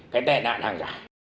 hệ đạo hàng giả